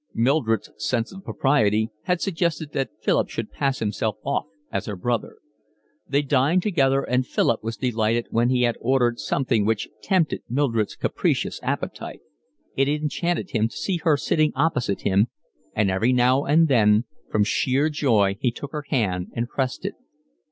Mildred's sense of propriety had suggested that Philip should pass himself off as her brother. They dined together, and Philip was delighted when he had ordered something which tempted Mildred's capricious appetite. It enchanted him to see her sitting opposite him, and every now and then from sheer joy he took her hand and pressed it.